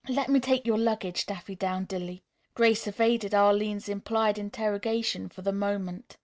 "Let me take your luggage, Daffydowndilly." Grace evaded Arline's implied interrogation for the moment.